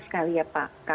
sekali ya pak